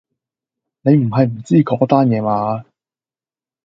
你唔係唔知嗰單野嘛？